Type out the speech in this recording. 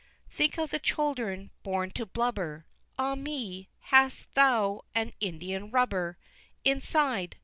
Think of the children born to blubber! Ah me! hast thou an Indian rubber Inside!